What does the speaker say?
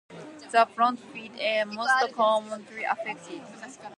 The front feet are most commonly affected.